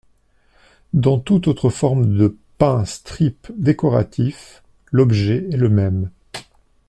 Dans toute autre forme de pin stripes décoratifs, l’objectif est le même.